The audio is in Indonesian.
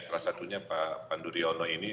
salah satunya pak pandu riono ini